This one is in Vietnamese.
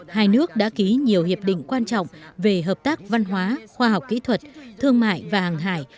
hai nước đã ký nhiều hiệp định quan trọng về hợp tác văn hóa khoa học kỹ thuật thương mại và hàng hải